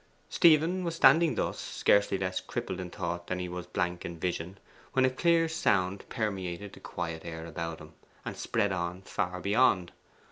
Stephen was standing thus, scarcely less crippled in thought than he was blank in vision, when a clear sound permeated the quiet air about him, and spread on far beyond.